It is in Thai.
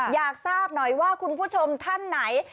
อยากทราบหน่อยว่าคุณผู้ชมท่านไหน